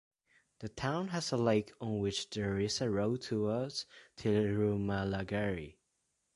The town has a lake on which there is a road towards Tirumalagiri.